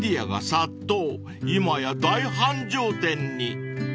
［今や大繁盛店に］